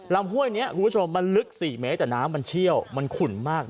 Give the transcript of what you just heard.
ห้วยนี้คุณผู้ชมมันลึก๔เมตรแต่น้ำมันเชี่ยวมันขุ่นมาก